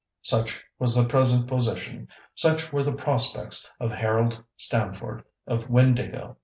Such was the present position, such were the prospects, of Harold Stamford of Windāhgil.